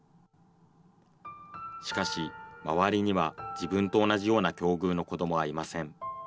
しかし、周りには自分と同じような境遇の子どもはいません。